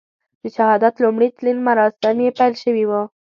د شهادت لومړي تلین مراسم یې پیل شوي وو.